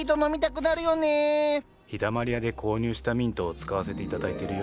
陽だまり屋で購入したミントを使わせて頂いてるよ。